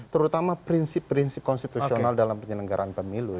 terutama prinsip prinsip konstitusional dalam penyelenggaraan pemilu